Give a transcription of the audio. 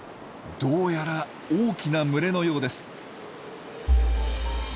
どうやら大きな群れのようです。